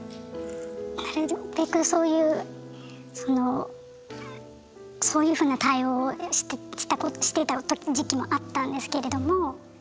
なるべくそういうそのそういうふうな対応をしてた時期もあったんですけれども。